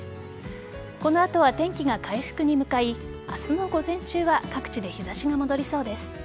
この後は天気が回復に向かい明日の午前中は各地で日差しが戻りそうです。